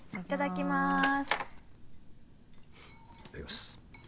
いただきます。